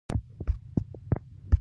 هیلۍ د بشر له شوره لیرې خوښېږي